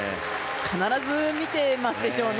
必ず見てますでしょうね。